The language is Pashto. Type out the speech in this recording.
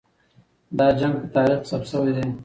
دا جنګ په تاریخ کې ثبت سوی دی.